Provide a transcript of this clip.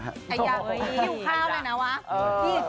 ไอ้อย่างผิวข้าวอะไรนะวะ